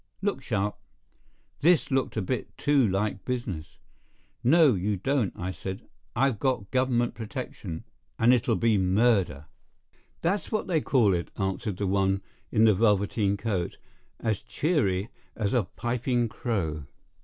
Look sharp!" This looked a bit too like business. "No, you don't!" I said. "I've got government protection, and it'll be murder." "That's what they call it," answered the one in the velveteen coat, as cheery as a piping crow.